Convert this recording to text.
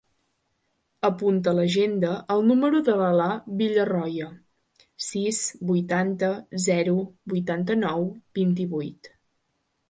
Apunta a l'agenda el número de l'Alaa Villarroya: sis, vuitanta, zero, vuitanta-nou, vint-i-vuit.